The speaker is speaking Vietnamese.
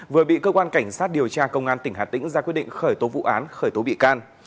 vừa bị cơ quan cảnh sát điều tra công an tỉnh hà tĩnh ra quyết định khởi tố vụ án khởi tố bị can